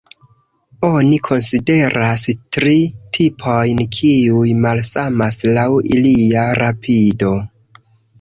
Oni konsideras tri tipojn, kiuj malsamas laŭ ilia rapido.